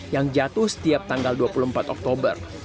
yang jatuh setiap tanggal dua puluh empat oktober